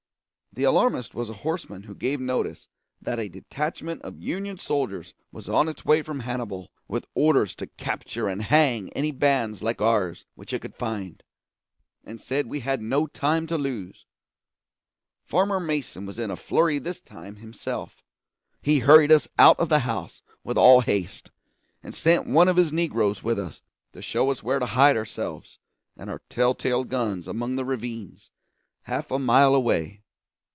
The alarmist was a horseman who gave notice that a detachment of Union soldiers was on its way from Hannibal with orders to capture and hang any bands like ours which it could find, and said we had no time to lose. Farmer Mason was in a flurry this time, himself. He hurried us out of the house with all haste, and sent one of his negroes with us to show us where to hide ourselves and our tell tale guns among the ravines half a mile away.